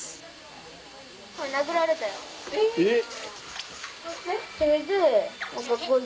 ・・えっ！